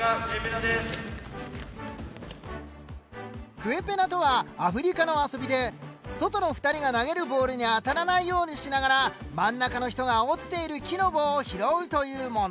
クウェペナとはアフリカの遊びで外の２人が投げるボールに当たらないようにしながら真ん中の人が落ちている木の棒を拾うというもの。